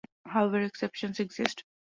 However, exceptions exist.